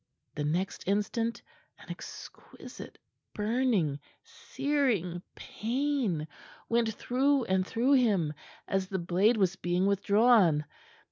The next instant an exquisite, burning, searing pain went through and through him as the blade was being withdrawn.